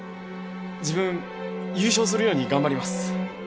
自分優勝するように頑張ります。